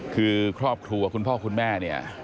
คือครอบครัวคุณพ่อคุณแม่เนี่ย